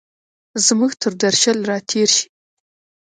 زموږ تردرشل، را تېرشي